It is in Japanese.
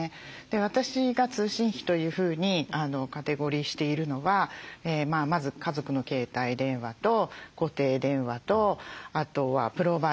私が通信費というふうにカテゴリーしているのはまず家族の携帯電話と固定電話とあとはプロバイダー料金と